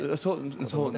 そうね。